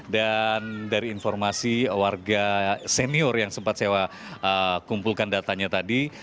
dan dari informasi warga senior yang sempat sewa kumpulkan datanya tadi